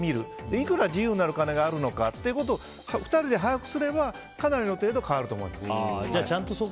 いくら自由になるお金があるのかということを２人で把握すればかなりの程度、変わると思います。